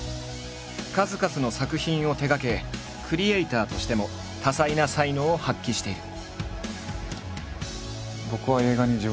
数々の作品を手がけクリエーターとしても多彩な才能を発揮している。